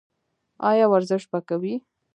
ایا ورزش به کوئ؟